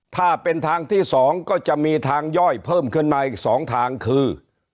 ถ้าเป็นทางที่๒ก็จะมีทางย่อยเพิ่มขึ้นมาอีก๒ทางคือ